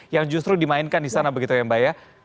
yang justru dimainkan di sana begitu ya mbak ya